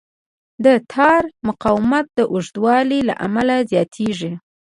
د تار مقاومت د اوږدوالي له امله زیاتېږي.